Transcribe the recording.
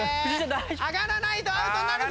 上がらないとアウトになるぞ！